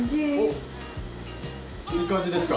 いい感じですか？